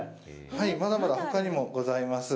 はい、まだまだ、ほかにもございます。